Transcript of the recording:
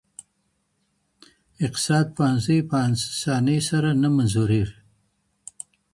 اقتصاد پوهنځۍ په اسانۍ سره نه منظوریږي.